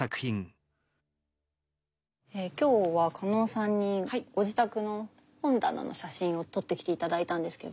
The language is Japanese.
今日は加納さんにご自宅の本棚の写真を撮ってきて頂いたんですけど。